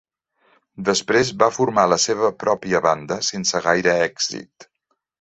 Després va formar la seva pròpia banda sense gaire èxit.